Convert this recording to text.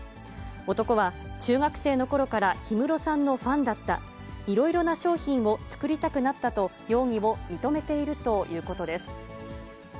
男は中学生のころから氷室さんのファンだった、いろいろな商品を作りたくなったと、容疑を認めているということです。